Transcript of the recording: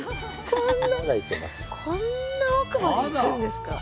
こんな奥まで行くんですか？